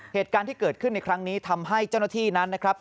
เหตุการณ์ที่เกิดขึ้นในครั้งนี้ทำให้เจ้าหน้าที่นั้นนะครับ